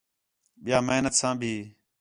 ٻِیا محنت ساں بھی